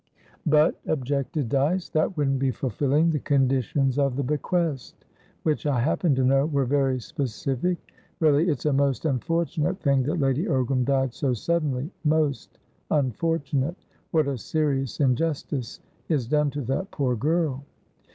"But," objected Dyce, "that wouldn't be fulfilling the conditions of the bequest, which, I happen to know, were very specific. Really, it's a most unfortunate thing that Lady Ogram died so suddenly, most unfortunate. What a serious injustice is done to that poor girl!"